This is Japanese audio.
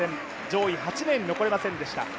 上位８名に残れませんでした。